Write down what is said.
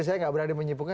saya gak berani menyimpulkan